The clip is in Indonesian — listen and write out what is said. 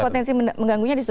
potensi mengganggunya disitu